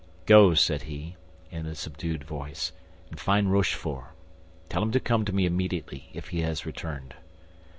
"Go," said he, in a subdued voice, "and find Rochefort. Tell him to come to me immediately, if he has returned."